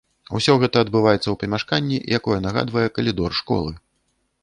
Усё гэта адбываецца ў памяшканні, якое нагадвае калідор школы.